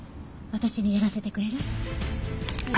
私にやらせてくれる？